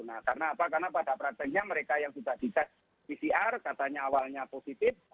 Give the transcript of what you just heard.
nah karena apa karena pada prakteknya mereka yang sudah dites pcr katanya awalnya positif